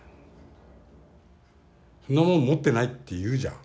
「そんなもん持ってない」って言うじゃん。